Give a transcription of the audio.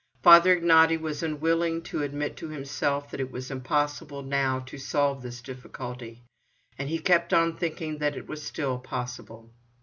Father Ignaty was unwilling to admit to himself that it was impossible now to solve this difficulty, and kept on thinking that it was still possible.